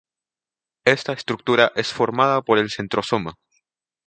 Esta estructura es formada por el centrosoma.